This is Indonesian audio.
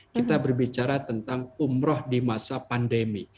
kita berbicara tentang umroh di masa pandemi